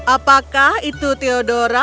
apakah itu theodora